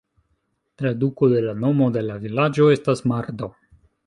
Traduko de la nomo de la vilaĝo estas "Mardo".